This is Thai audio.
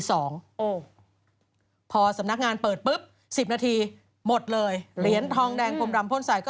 พอศนักงานเปิดปึ๊บ๑๐นาทีหมดเลยเหรียญทองแดงรมดำพ่นทรายก็ถูกจองเกลี้ยง